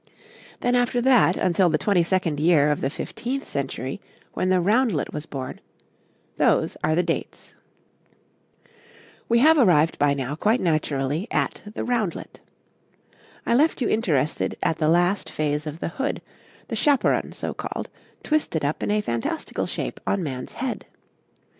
Then, after that, until the twenty second year of the fifteenth century, when the roundlet was born those are the dates. [Illustration: {A man of the time of Henry VI.}] We have arrived by now, quite naturally, at the roundlet. I left you interested at the last phase of the hood, the chaperon so called, twisted up in a fantastical shape on man's head.